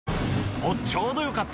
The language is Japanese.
お、ちょうどよかった。